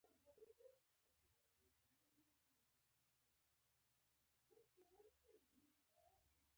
په ضد استعمال کړلې.